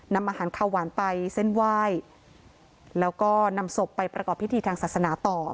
นำอาหารข้าวหวานไปเส้นไหว้แล้วก็นำศพไปประกอบพิธีทางศาสนาต่อ